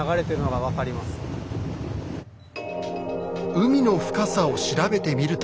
海の深さを調べてみると。